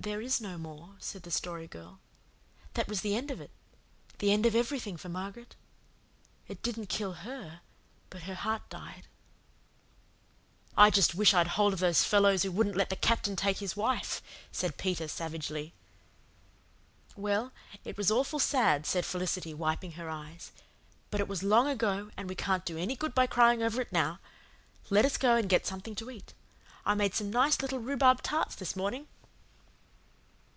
"There is no more," said the Story Girl. "That was the end of it the end of everything for Margaret. It didn't kill HER, but her heart died." "I just wish I'd hold of those fellows who wouldn't let the Captain take his wife," said Peter savagely. "Well, it was awful said," said Felicity, wiping her eyes. "But it was long ago and we can't do any good by crying over it now. Let us go and get something to eat. I made some nice little rhubarb tarts this morning."